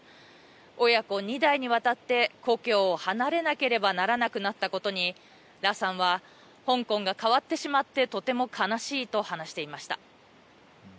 親子２代にわたって故郷を離れなければならなくなったことに羅さんは香港が変わってしまってとても悲しいと話していました。